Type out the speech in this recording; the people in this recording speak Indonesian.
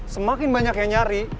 semakin banyak yang nyari